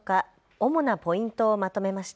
主なポイントをまとめました。